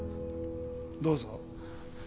どうぞ。